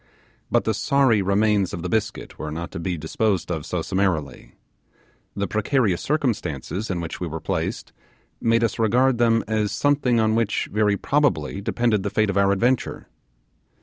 But the sorry remains of the biscuit were not to be disposed of so summarily: the precarious circumstances in which we were placed made us regard them as something on which very probably, depended the fate of our adventure.